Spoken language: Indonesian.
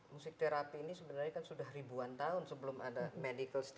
musik terapi ini sebenarnya kan sudah ribuan tahun sebelum ada medical studi